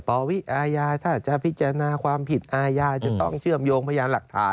ปวิอาญาถ้าจะพิจารณาความผิดอาญาจะต้องเชื่อมโยงพยานหลักฐาน